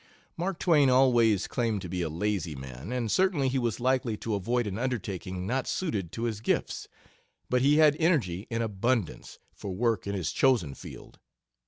Mark Twain always claimed to be a lazy man, and certainly he was likely to avoid an undertaking not suited to his gifts, but he had energy in abundance for work in his chosen field.